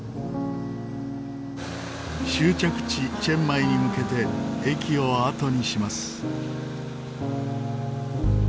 終着地チェンマイに向けて駅を後にします。